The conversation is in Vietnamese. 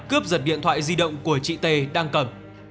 cướp giật điện thoại di động của chị t đang cầm